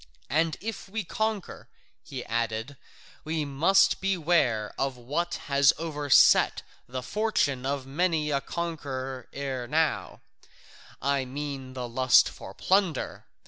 And if we conquer," he added, "we must beware of what has overset the fortune of many a conqueror ere now, I mean the lust for plunder.